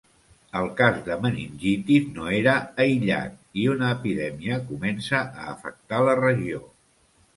El cas de meningitis no era aïllat i una epidèmia comença a afectar la regió.